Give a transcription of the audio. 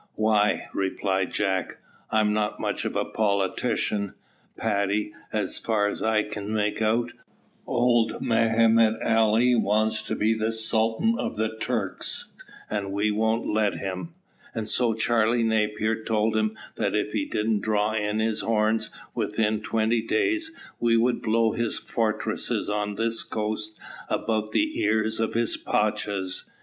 "Why," replied Jack, "I'm not much of a politician, Paddy, but as far as I can make out, old Mehemet Ali wants to be Sultan of the Turks, and we won't let him; and so Charlie Napier told him that if he didn't draw in his horns within twenty days, we would blow his fortresses on this coast about the ears of his pachas.